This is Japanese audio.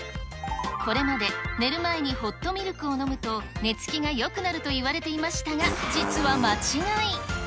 これまで寝る前にホットミルクを飲むと、寝つきがよくなるといわれていましたが、実は間違い。